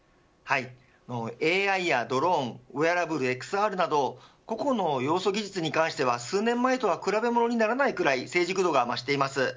ＡＩやドローンウェアラブル、ＸＲなど個々の要素技術に関しては数年前とは比べ物にならないぐらい成熟度が増しています。